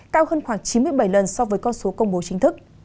cao hơn khoảng chín mươi bảy lần so với con số công bố chính thức